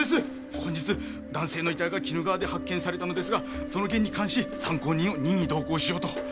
本日男性の遺体が鬼怒川で発見されたのですがその件に関し参考人を任意同行しようと。